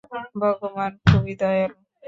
ভগবান খুবই দয়ালু।